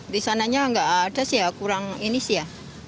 di sananya nggak ada sih ya kurang ini sih ya